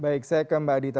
baik saya ke mbak dita